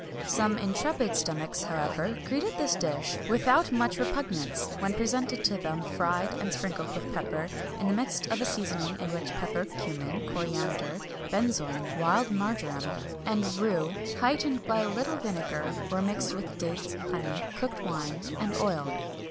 [XXI 181] Some intrepid stomachs, however, greeted this dish without much repugnance when presented to them fried and sprinkled with pepper, in the midst of a seasoning in which pepper, cummin, coriander, benzoin, wild marjoram, and rue, heightened by a little vinegar, were mixed with dates, honey, cooked wine, and oil.